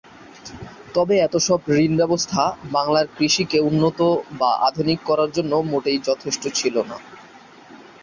তবে এতসব ঋণব্যবস্থা বাংলার কৃষিকে উন্নত বা আধুনিক করার জন্য মোটেই যথেষ্ট ছিল না।